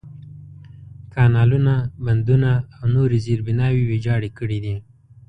کانالونه، بندونه، او نورې زېربناوې ویجاړې کړي دي.